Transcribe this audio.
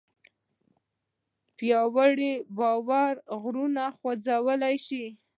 پیاوړی باور غرونه خوځولی شي.